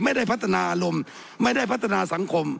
ไม่ได้พัฒนาอารมณ์ไม่ได้พัฒนาสังคม